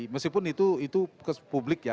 meskipun itu publik ya